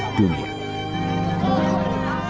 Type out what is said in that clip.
untuk diusulkan sebagai pahlawan etisi dunia